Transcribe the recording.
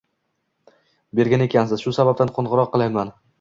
bergan ekansiz. Shu sababdan qo’ng'iroq qilayapman.